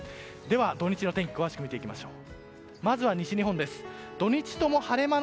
土日のお天気を詳しく見ていきましょう。